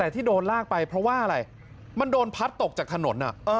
แต่ที่โดนลากไปเพราะว่าอะไรมันโดนพัดตกจากถนน